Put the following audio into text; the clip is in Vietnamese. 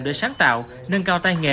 để sáng tạo nâng cao tay nghề